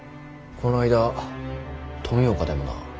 この間富岡でもな。